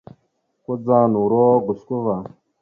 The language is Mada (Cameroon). Kudzaŋ noro ogusko va.